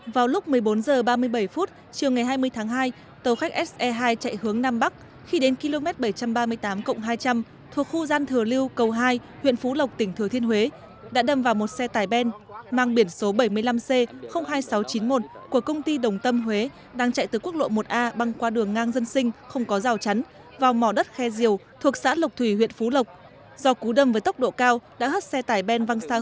một vụ tai nạn đường sắt đặc biệt nghiêm trọng vừa xảy ra vào chiều nay hai mươi tháng hai tại khu gian thừa lưu cầu hai huyện phú lộc tỉnh thừa thiên huế làm ba người thiệt mạng một người bị thương nặng